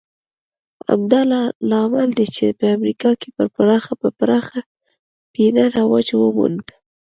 همدا لامل دی چې په امریکا کې په پراخه پینه رواج وموند